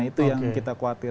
itu yang kita khawatir